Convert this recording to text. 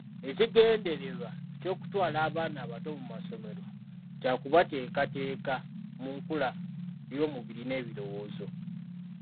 Ekigendererwa ky’okutwala abaana abato mu masomero kya kubateekateeka mu nkula y’omubiri n’ebirowoozo.